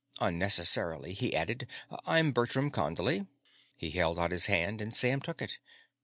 Unnecessarily, he added, "I'm Bertram Condley." He held out his hand, and Sam took it.